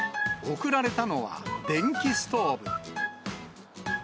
贈られたのは、電気ストーブ。